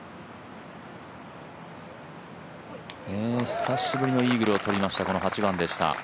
久しぶりのイーグルをとりました８番でした。